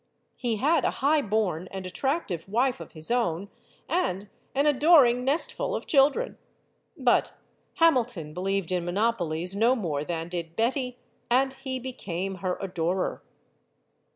He had a high born and attractive wife of his own, and an adoring nestful of children. But Hamilton believed in monopolies no more than did Betty, and he became her adorer.